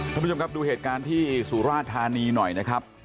ท่านผู้ชมครับดูเหตุการณ์ที่สุราธานีหน่อยนะครับ